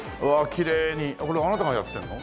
きれいにこれあなたがやってるの？